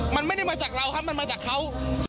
มันไม่ได้มาจากเราครับมันมาจากเขา